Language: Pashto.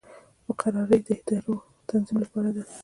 مقررې د ادارو د تنظیم لپاره دي